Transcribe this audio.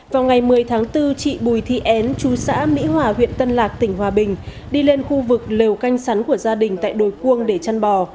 vào ngày một mươi tháng bốn chị bùi thị en chú xã mỹ hòa huyện tân lạc tỉnh hòa bình đi lên khu vực lều canh sắn của gia đình tại đồi cuông để chăn bò